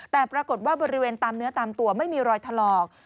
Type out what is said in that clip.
แต่ปรากฏว่าบริเวณตามเนื้อตามตัวไม่มีรอยถลอก